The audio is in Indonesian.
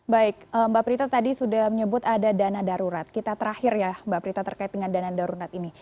baik mbak prita tadi sudah menyebut ada dana darurat kita terakhir ya mbak prita terkait dengan dana darurat ini